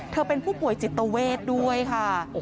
เป็นผู้ป่วยจิตเวทด้วยค่ะ